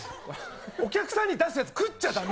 お客さんに出すやつ食っちゃだめ。